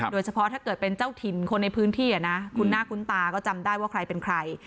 ถ้าเกิดเป็นเจ้าถิ่นคนในพื้นที่คุ้นหน้าคุ้นตาก็จำได้ว่าใครเป็นใคร